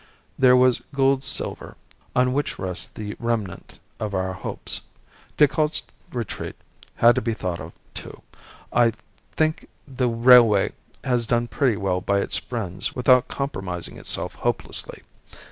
There was Gould's silver, on which rests the remnant of our hopes. Decoud's retreat had to be thought of, too. I think the railway has done pretty well by its friends without compromising itself hopelessly.